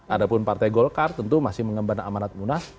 ada pun partai golkar tentu masih mengemban amanat munas